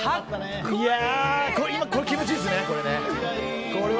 今、これ気持ちいいですね。